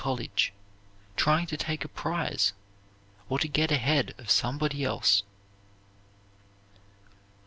college, trying to take a prize, or to get ahead of somebody else.